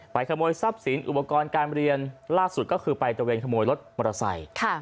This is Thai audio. ขโมยทรัพย์สินอุปกรณ์การเรียนล่าสุดก็คือไปตะเวนขโมยรถมอเตอร์ไซค์